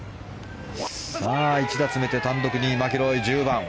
さあ、１打詰めて単独２位マキロイ、１０番。